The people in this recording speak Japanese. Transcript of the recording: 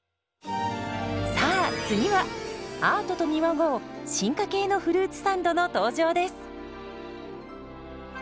さあ次はアートと見まごう進化系のフルーツサンドの登場です。